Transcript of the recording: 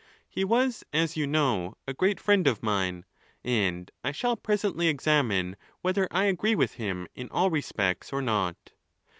He was, as you know, a gfeat friend of mine ; and | shall presently examine whether I agree with him in all respects or not.